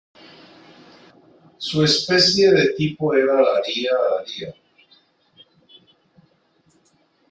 Su especie tipo era "Daria daria".